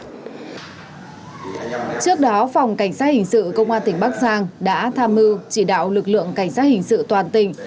trước đó phòng cảnh sát hình sự công an tỉnh bắc giang đã tham mưu chỉ đạo lực lượng cảnh sát hình sự toàn tỉnh